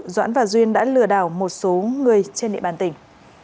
doãn và duyên đã lừa đảo một số người trên địa bàn tỉnh